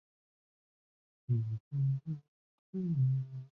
此专辑发行仅九天便拿下当年专辑销售量前十名。